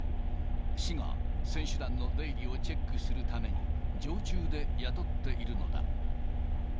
市が選手団の出入りをチェックするために、常駐で雇っているのだ。